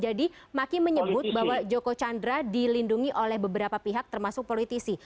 jadi maki menyebut bahwa joko candra dilindungi oleh beberapa pihak termasuk politisi